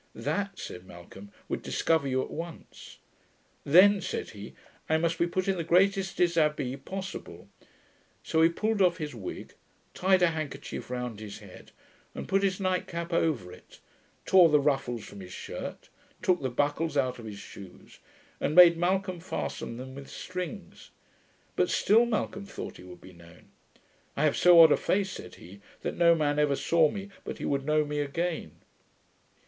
'That,' said Malcolm, 'would discover you at once.' 'Then,' said he, 'I must be put in the greatest dishabille possible.' So he pulled off his wig, tied a handkerchief round his head, and put his night cap over it, tore the ruffles from his shirt, took the buckles out of his shoes, and made Malcolm fasten them with strings; but still Malcolm thought he would be known. 'I have so odd a face,' said he, 'that no man ever saw me but he would know me again.'